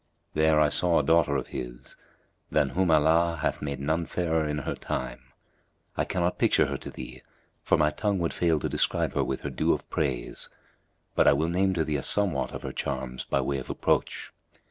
There I saw a daughter of his, than whom Allah hath made none fairer in her time: I cannot picture her to thee, for my tongue would fail to describe her with her due of praise; but I will name to thee a somewhat of her charms by way of approach.